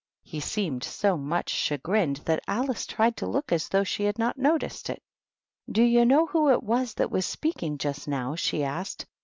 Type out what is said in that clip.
He seemed so much chagrined that Alice tried to look as though she had not noticed it. "Do you know who it was that was speaking just now ?" she asked.